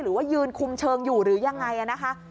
หรือว่ายืนคุมเชิงอยู่หรือยังไงนะคะ